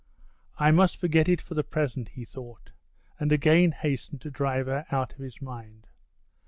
"I must forget it for the present," he thought, and again hastened to drive her out of his mind.